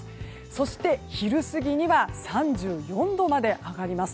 そして昼過ぎには３４度まで上がります。